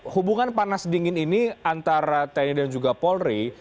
hubungan panas dingin ini antara tni dan juga polri